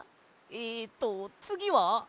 えとつぎは。